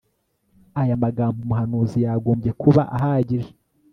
Aya magambo umuhanuzi yagombye kuba ahagije